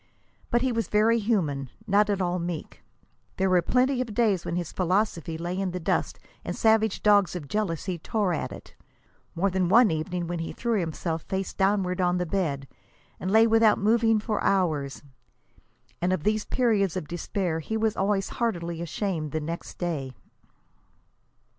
But he was very human not at all meek. There were plenty of days when his philosophy lay in the dust and savage dogs of jealousy tore at it; more than one evening when he threw himself face downward on the bed and lay without moving for hours. And of these periods of despair he was always heartily ashamed the next day.